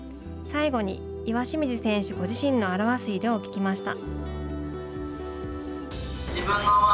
最後に、岩清水選手ご自身を表す色を聞きました。